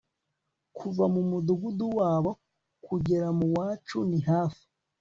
Kuva mu mudugudu wabo kugera muwacu ni hafi